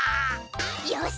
よし！